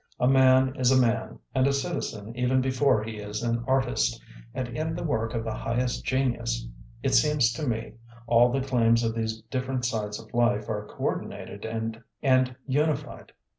A man is a man and a citizen even before he is an artist; and in the work of the highest genius, it seems to me, all the claims of these different sides of life are coordinated and uni fied.